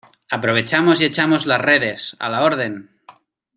aprovechamos y echamos las redes. a la orden .